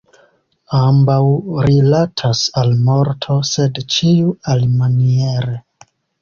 Ambaŭ rilatas al morto, sed ĉiu alimaniere.